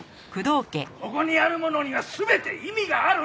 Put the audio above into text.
ここにあるものには全て意味があるの！